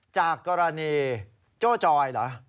จากกรณีโจ้จอยเหรอ